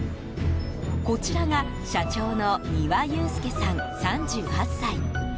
こちらが社長の丹羽悠介さん、３８歳。